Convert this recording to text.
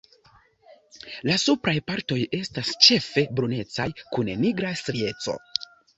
La supraj partoj estas ĉefe brunecaj kun nigra strieco.